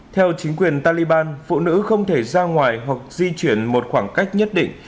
theo chính quyền taliban phụ nữ không thể ra ngoài hoặc di chuyển một khoảng cách nhất định